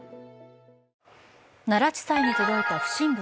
奈良地裁に届いた不審物。